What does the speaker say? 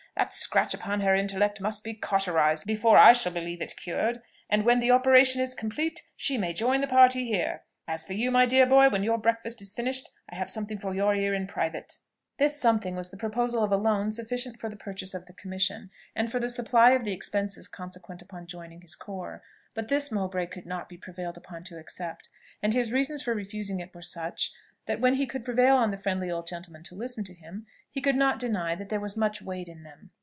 That scratch upon her intellect must be cauterized before I shall believe it cured; and when the operation is complete, she may join the party here. As for you, my dear boy, when your breakfast is finished I have something for your ear in private." This something was the proposal of a loan sufficient for the purchase of the commission, and for the supply of the expenses consequent upon joining his corps. But this Mowbray could not be prevailed upon to accept; and his reasons for refusing it were such, that when he could prevail on the friendly old gentleman to listen to him, he could not deny that there was much weight in them.